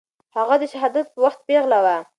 هغه د شهادت په وخت پېغله وه.